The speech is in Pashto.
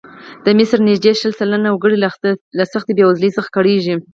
د مصر نږدې شل سلنه وګړي له سختې بېوزلۍ څخه کړېږي.